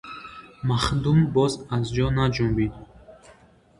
Махдум боз аз ҷо наҷунбид.